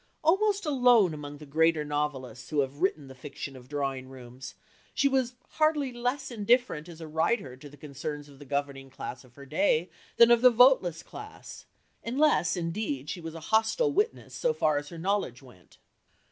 Almost alone among the greater novelists who have written the fiction of drawing rooms, she was hardly less indifferent as a writer to the concerns of the governing class of her day than of the voteless class, unless, indeed, she was a hostile witness so far as her knowledge went.